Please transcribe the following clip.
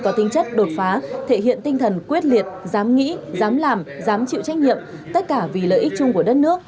có tinh chất đột phá thể hiện tinh thần quyết liệt dám nghĩ dám làm dám chịu trách nhiệm tất cả vì lợi ích chung của đất nước